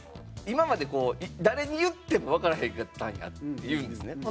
「今まで誰に言ってもわからへんかったんや」って言うんですね。